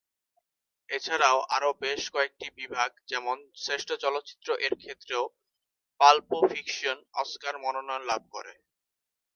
এছাড়াও আরো বেশ কয়েকটি বিভাগ যেমন "শ্রেষ্ঠ চলচ্চিত্র" এর ক্ষেত্রেও পাল্প ফিকশন অস্কার মনোনয়ন লাভ করে।